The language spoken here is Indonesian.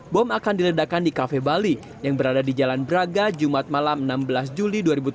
bom akan diledakan di kafe bali yang berada di jalan braga jumat malam enam belas juli dua ribu tujuh belas